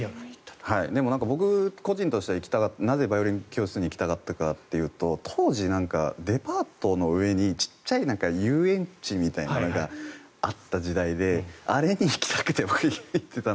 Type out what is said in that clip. でも、僕個人としてなぜバイオリン教室に行きたかったかというと当時、デパートの上に小さい遊園地みたいなのがあった時代であれに行きたくて。